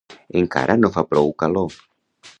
Encara no fa prou calor.